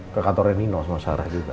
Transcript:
ke kantornya nino sama sarah juga